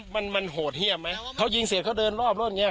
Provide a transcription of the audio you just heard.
มันมันโหดเยี่ยมไหมเขายิงเสร็จเขาเดินรอบรถอย่างเงี้